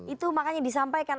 itu makanya disampaikan